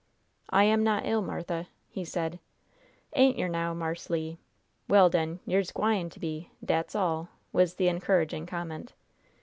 "I am not ill, Martha," he said. "Ain't yer, now, Marse Le? Well, den, yer's gwine to be, dat's all," was the encouraging comment.